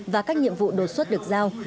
và các nhiệm vụ đột xuất được giao